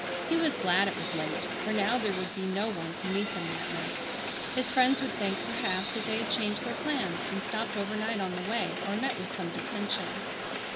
He was glad it was late, for now there would be no one to meet them that night. His friends would think, perhaps, that they had changed their plans and stopped over night on the way, or met with some detention.